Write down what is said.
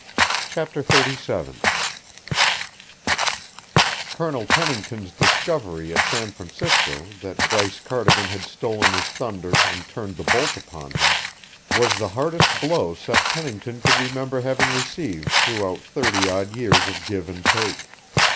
CHAPTER XXXVII Colonel Pennington's discovery at San Francisco that Bryce Cardigan had stolen his thunder and turned the bolt upon him, was the hardest blow Seth Pennington could remember having received throughout thirty odd years of give and take.